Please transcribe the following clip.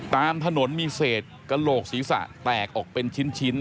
ตามถนนมีเศษกระโหลกศีรษะแตกออกเป็นชิ้น